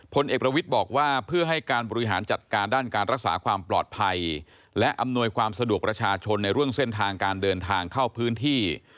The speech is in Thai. พลเอกประวิทย์บอกว่าเพื่อให้การบริหารจัดการด้านการรักษาความปลอดภัยและอำนวยความสะดวกประชาชนในเรื่องเส้นทางการเดินทางเข้าพื้นที่